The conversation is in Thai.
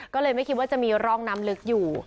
ก็เลยไม่คิดว่าจะมีร่องน้ำลึกอยู่